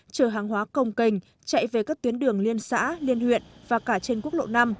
chở hàng hóa công cành chạy về các tuyến đường liên xã liên huyện và cả trên quốc lộ năm